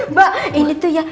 mbak ini tuh ya